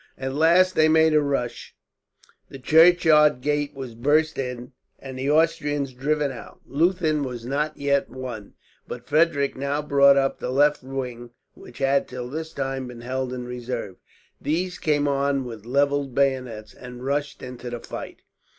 At last they made a rush. The churchyard gate was burst in, and the Austrians driven out. Leuthen was not yet won, but Frederick now brought up the left wing, which had till this time been held in reserve. These came on with levelled bayonets, and rushed into the fight.